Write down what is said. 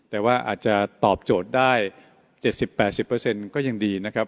แต่ว่าอาจจะตอบโจทย์ได้๗๐๘๐ก็ยังดีนะครับ